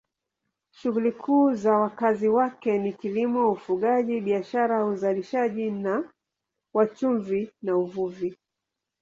Shughuli kuu za wakazi wake ni kilimo, ufugaji, biashara, uzalishaji wa chumvi na uvuvi.